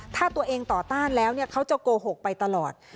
ถ้าตัวเองต่อต้านแล้วเขาจะโกหกไปตลอด